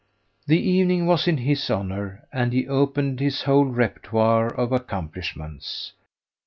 The evening was in his honour, and he opened his whole repertoire of accomplishments.